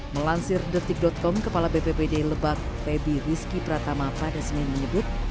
melansir detik com kepala bppd lebak feby rizky pratama pada senin menyebut